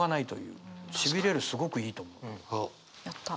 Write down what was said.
やった。